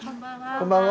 こんばんは。